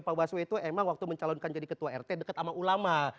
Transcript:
pak baswe itu emang waktu mencalonkan jadi ketua rt deket sama ulama